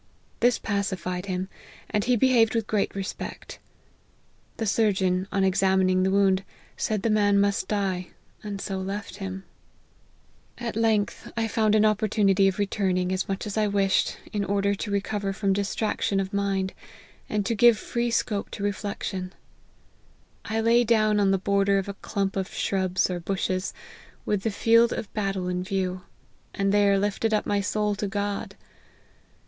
This pacified him, and he behaved with great respect. The surgeon, on examining the wound, said the man must die, and so left him. LIFE OF HENRY MARTYN. 67 At length, I found an opportunity of returning, as I much wished, in order to recover from distraction of mind, and to give free scope to reflection. I lay down on the border of a clump of shrubs or bushes, with the field of battle in view, and there lifted up my soul to God.